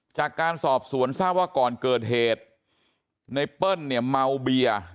จากการสอบสวนทราบว่าก่อนเกิดเหตุไนเปิ้ลเนี่ยเมาเบียร์